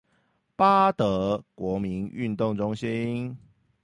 八德國民運動中心